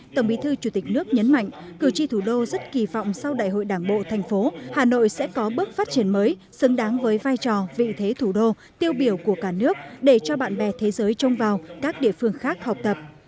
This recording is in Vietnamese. tổng bí thư chủ tịch nước nhấn mạnh cử tri thủ đô rất kỳ vọng sau đại hội đảng bộ thành phố hà nội sẽ có bước phát triển mới xứng đáng với vai trò vị thế thủ đô tiêu biểu của cả nước để cho bạn bè thế giới trông vào các địa phương khác học tập